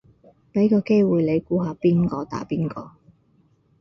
俾個機會你估下邊個打邊個